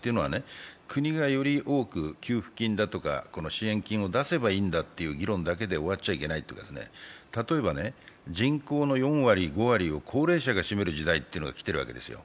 国がより多く給付金だとか支援金を出せばいいんだという議論だけで終わっちゃいけないというか、例えばね、人口の４割、５割を高齢者が占める時代が来てるわけですよ。